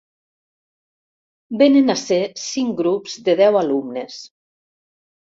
Venen a ser cinc grups de deu alumnes.